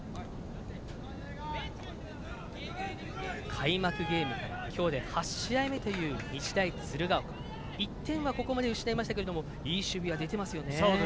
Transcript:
開幕ゲームから今日で８試合目という日大鶴ヶ丘、１点はここまで失いましたがいい守備は出ていますよね。